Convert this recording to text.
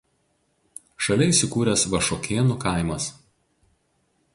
Šalia įsikūręs Vašuokėnų kaimas.